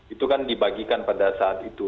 itu kan dibagikan pada saat itu